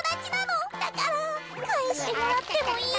だからかえしてもらってもいい？